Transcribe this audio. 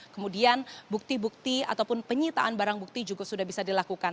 kemudian bukti bukti ataupun penyitaan barang bukti juga sudah bisa dilakukan